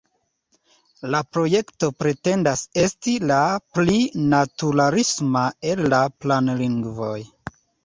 La projekto pretendas esti la pli naturalisma el la planlingvoj.